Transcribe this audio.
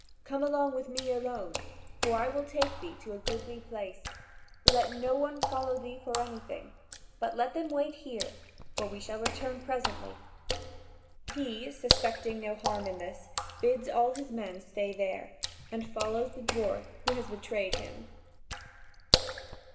Come along with me alone, for I will take thee to a goodly place. Let no one follow thee for anything, but let them wait here; for we shall return presently." He, suspecting no harm in this, bids all his men stay there, and follows the dwarf who has betrayed him.